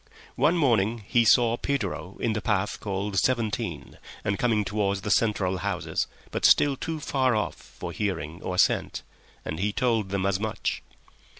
One morning he saw Pedro in the path called Seventeen and coming towards the central houses, but still too far off for hearing or scent, and he told them as much.